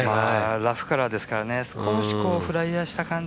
ラフからですからね、少しフライヤーした感じ